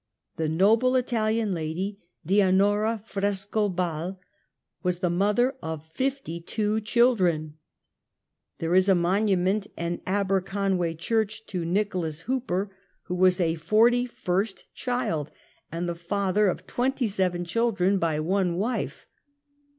The noble Italian lady, Dianora Frescobalh, was the mother of fifty two children. There is a monument in Aberconway Church, to ^Nicholas Hooper, who was a forty Hrst child, and the father of twenty seven children by one wife.